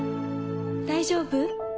大丈夫？